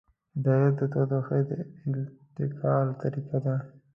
هدایت د تودوخې د انتقال طریقه ده.